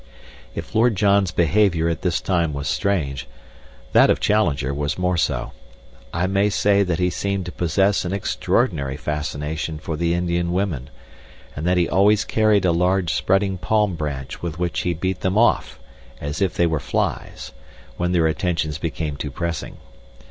If Lord John's behavior at this time was strange, that of Challenger was more so. I may say that he seemed to possess an extraordinary fascination for the Indian women, and that he always carried a large spreading palm branch with which he beat them off as if they were flies, when their attentions became too pressing.